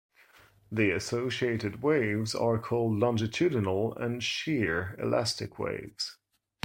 The associated waves are called "longitudinal" and "shear" elastic waves.